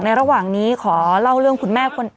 ระหว่างนี้ขอเล่าเรื่องคุณแม่